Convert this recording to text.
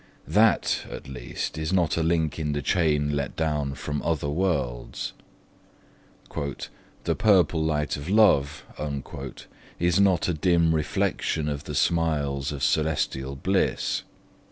THAT at least is not a link in the chain let down from other worlds; 'the purple light of love' is not a dim reflection of the smiles of celestial bliss.